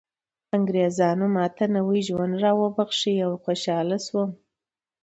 انګریزانو ماته نوی ژوند راوباښه او خوشحاله شوم